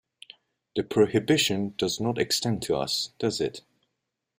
The prohibition does not extend to us, does it?